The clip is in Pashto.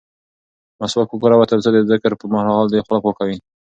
مسواک وکاروه ترڅو د ذکر پر مهال دې خوله پاکه وي.